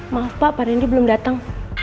maaf pak pak randy belum dateng